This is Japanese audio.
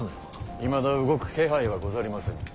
いまだ動く気配はござりませぬ。